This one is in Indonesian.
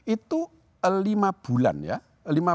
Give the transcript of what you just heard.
itu lima bulan ya